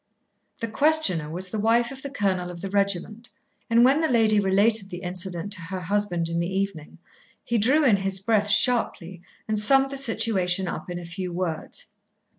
The questioner was the wife of the colonel of the regiment, and when the lady related the incident to her husband in the evening, he drew in his breath sharply and summed the situation up in a few words.